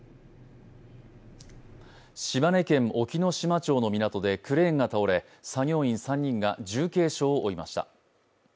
島根県隠岐の島町の港でクレーンが倒れ、作業員３人が重軽傷を負いました。